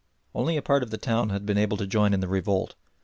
Only a part of the town had been able to join in the revolt.